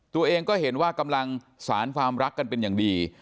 ตัวเองก็เห็นว่ากำลังสารความรักกันเป็นอย่างดี